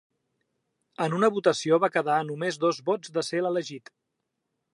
En una votació va quedar a només dos vots de ser elegit.